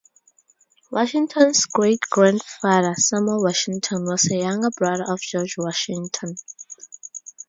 Washington's great-grandfather, Samuel Washington, was a younger brother of George Washington.